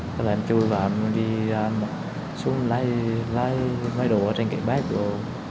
rồi em chui vào